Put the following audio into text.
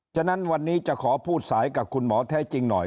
ฉะนั้นวันนี้จะขอพูดสายกับคุณหมอแท้จริงหน่อย